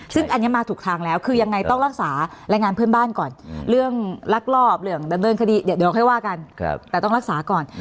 ซึ่งอันนี้มาถูกทางแล้วคือยังไงต้องรักษาแรงงานเพื่อนบ้านก่อนเรื่องลักลอบเรื่องดำเนินคดีเดี๋ยวค่อยว่ากันแต่ต้องรักษาก่อน